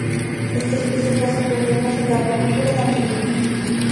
Esta especie causa problemas a la apicultura en Argentina.